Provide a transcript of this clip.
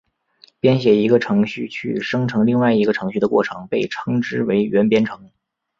编写一个程序去生成另外一个程序的过程被称之为元编程。